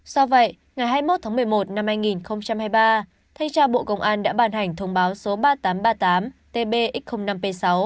do vậy ngày hai mươi một tháng một mươi một năm hai nghìn hai mươi ba thanh tra bộ công an đã bàn hành thông báo số ba nghìn tám trăm ba mươi tám tb x năm p sáu